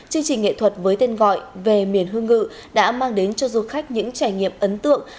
chương trình nghệ thuật với tên gọi về miền hương ngự đã mang đến cho du khách những trải nghiệm ấn tượng